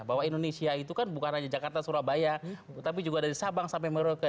bahwa indonesia itu kan bukan hanya jakarta surabaya tapi juga dari sabang sampai merauke